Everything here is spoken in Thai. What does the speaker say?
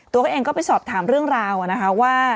ตัวเองก็ไปสอบถามเรื่องราวนะคะว่า